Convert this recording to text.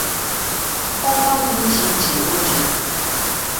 ọkwá dị iche iche o jiri